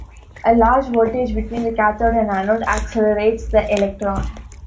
A large voltage between the cathode and anode accelerates the electrons.